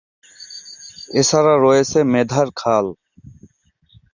এছাড়া রয়েছে মেধার খাল।